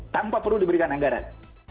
tanpa perlu diberikan anggaran